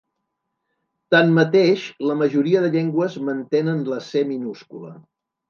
Tanmateix, la majoria de llengües mantenen la ce minúscula.